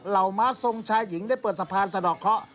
เหล่าม้าทรงชายหญิงได้เปิดสะพานศักดิ์สิทธิ์สะดอกเค้า